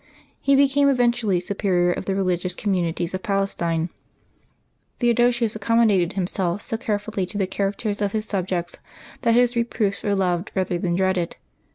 He became eventually Su perior of the religious communities of Palestine. Theo dosius accommodated himself so carefully to the characters of his subjects that his reproofs were loved rather than dreaded.